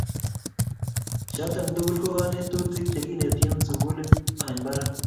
Choto tugul ko kanetutik Che kineti eng sukulit an barak